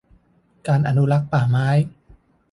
การอนุรักษ์ป่าไม้